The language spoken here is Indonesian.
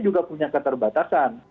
juga punya keterbatasan